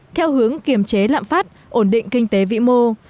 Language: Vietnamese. theo hướng kiềm chế lạm phát ổn định kinh tế vĩ mô